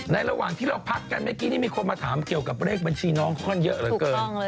ระหว่างที่เราพักกันเมื่อกี้นี่มีคนมาถามเกี่ยวกับเลขบัญชีน้องค่อนข้างเยอะเหลือเกิน